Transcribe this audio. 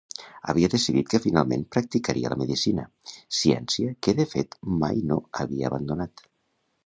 Havia decidit que finalment practicaria la medicina, ciència que de fet mai no havia abandonat.